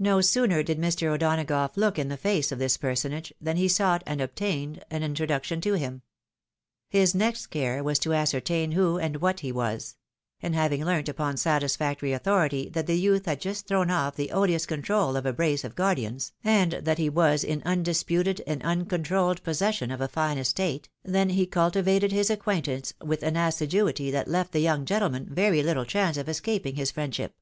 No sooner did Mr. O'Donagough look in the face of this personage than he sought and obtained an introduction to him. His next care was to ascertain who and what he was ; and having learnt upon satisfactory authority that the youth had just thrown off the odious control of a brace of guardians, and that he was in undis puted and uncontrolled possession of a fine estate, than he culti vated his acquaintance with an assiduity that left the young gentleman very Httle chance of escaping his friendship.